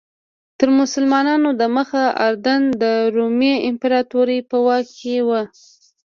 تر مسلمانانو دمخه اردن د رومي امپراتورۍ په واک کې و.